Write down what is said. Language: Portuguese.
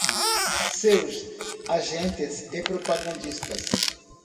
Seus agentes e propagandistas